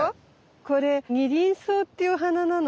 これニリンソウっていうお花なの。